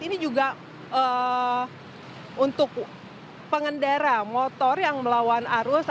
ini juga untuk pengendara motor yang melawan arus